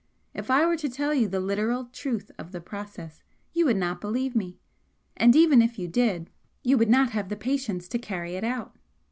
If I were to tell you the literal truth of the process, you would not believe me, and even if you did you would not have the patience to carry it out!